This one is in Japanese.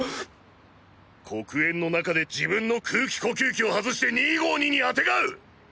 黒煙の中で自分の空気呼吸器を外して２５２にあてがう！